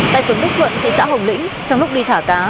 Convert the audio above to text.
tại phường đức thuận thị xã hồng lĩnh trong lúc đi thả cá